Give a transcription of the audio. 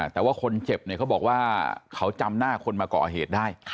แต่ว่าคนเจ็บเนี่ยเขาบอกว่าเขาจำหน้าคนมาก่อเหตุได้